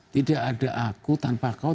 tidak ada aku tanpa kau